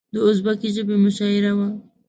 د ازبکي ژبې مشاعره وه.